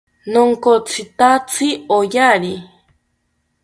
Nonkotzitatzi oyari